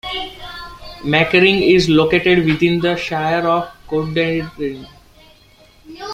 Meckering is located within the Shire of Cunderdin.